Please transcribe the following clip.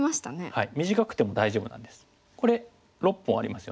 はい。